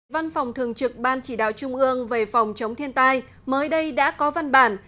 văn phòng thường trực ban chỉ đạo trung ương về phòng chống thiên tai mới đây đã có văn bản